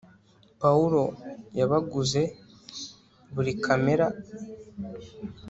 pawulo yabaguze buri kamera